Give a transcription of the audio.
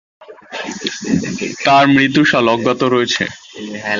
তার মৃত্যু সাল অজ্ঞাত রয়েছে।